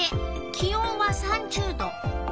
気温は３０℃。